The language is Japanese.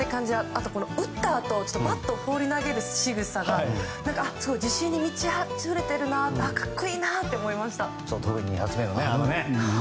あと、打ったあとバットを放り投げるしぐさが自信に満ちあふれてるな格好いいなと思いました。